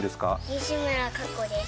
西村佳子です